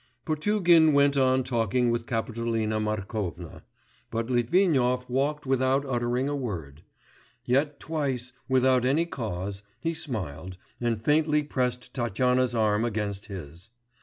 Potugin went on talking with Kapitolina Markovna. But Litvinov walked without uttering a word; yet twice, without any cause, he smiled, and faintly pressed Tatyana's arm against his.